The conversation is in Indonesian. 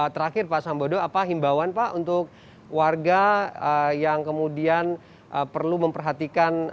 terakhir pak sambodo apa him astronomy pak untuk warga yang kemudian perlu memperhatikan aturan ini